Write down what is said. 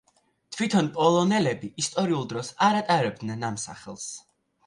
თვითონ პოლონელები ისტორიულ დროს არ ატარებდნენ ამ სახელს.